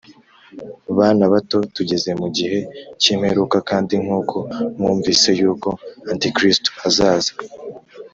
Bana bato, tugeze mu gihe cy’imperuka kandi nk’uko mwumvise yuko Antikristo azaza